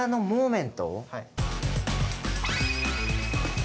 はい。